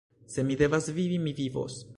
Se mi devas vivi, mi vivos!